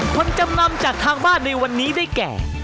คนจำนำจากทางบ้านในวันนี้ได้แก่